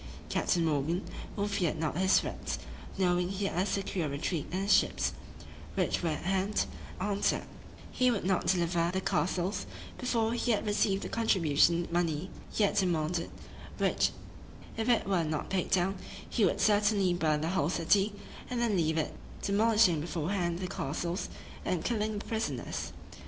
Captain Morgan, who feared not his threats, knowing he had a secure retreat in his ships, which were at hand, answered, "he would not deliver the castles, before he had received the contribution money he had demanded; which if it were not paid down, he would certainly burn the whole city, and then leave it, demolishing beforehand the castles, and killing the prisoners."